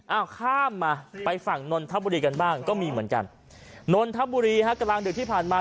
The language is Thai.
เอาข้ามมาไปฝั่งนนทบุรีกันบ้างก็มีเหมือนกันนนทบุรีฮะกลางดึกที่ผ่านมา